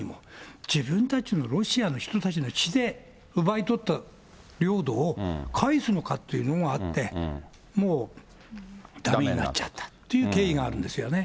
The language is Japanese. しかし、これはロシアの国内にも、自分たちのロシアの人たちの血で、奪い取った領土を返すのかっていうのがあって、もう、だめになっちゃったという経緯があるんです